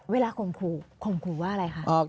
เวลาคมคู่คมคู่ว่าอะไรคะ